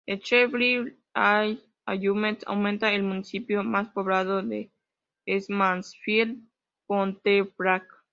El chef-lieu es L'Isle-aux-Allumettes aunque el municipio más poblado es Mansfield-et-Pontefract.